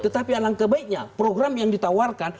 tapi alang kebaiknya program yang ditawarkan